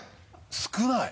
少ない。